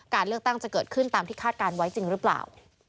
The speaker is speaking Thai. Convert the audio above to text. การเลือกตั้งจะเกิดขึ้นตามที่คาดการณ์ไว้จริงหรือเปล่า